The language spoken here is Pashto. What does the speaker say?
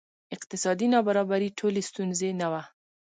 اقتصادي نابرابري ټولې ستونزې نه وه.